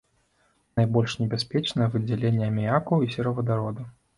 Найбольш небяспечныя выдзяленні аміяку і серавадароду.